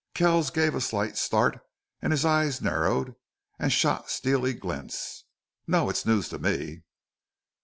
Kells gave a slight start and his eyes narrowed and shot steely glints. "No. It's news to me."